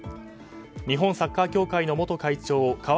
日本サッカー協会の元会長川淵